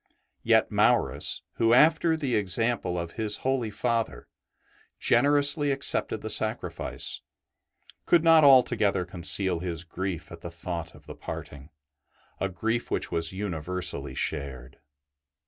Yet Maurus, who, after the example of his holy Father, generously accepted the sacrifice, could not altogether conceal his grief at the thought of the parting, a grief which was universally shared.